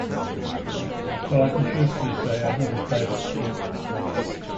So I can truthfully say I've never played it!